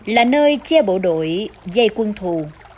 là nơi che bộ đội dây quân thù